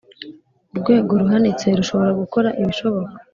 urwego ruhanitse rushobora gukora ibishoboka.